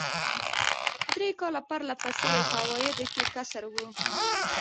درې کاله پر له پسې یې په عوایدو کې کسر و.